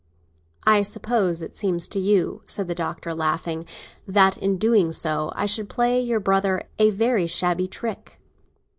"I suppose it seems to you," said the Doctor, laughing, "that in so doing I should play your brother a very shabby trick."